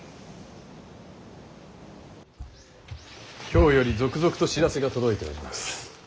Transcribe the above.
京より続々と知らせが届いております。